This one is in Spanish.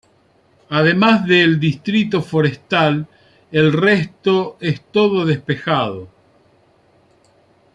Además de el distrito forestal el resto es todo despejado.